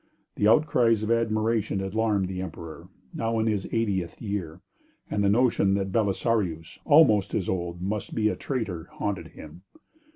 The outcries of admiration alarmed the emperor, now in his eightieth year, and the notion that Belisarius, almost as old, must be a traitor, haunted him.